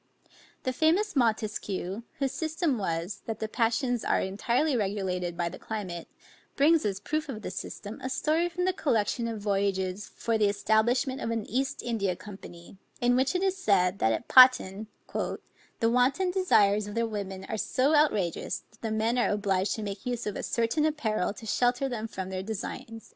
The famous Montesquieu, whose system was, that the passions are entirely regulated by the climate, brings as a proof of this system, a story from the collection of voyages for the establishment of an East India Company, in which it is said, that at Patan, "the wanton desires of the women are so outrageous, that the men are obliged to make use of a certain apparel to shelter them from their designs."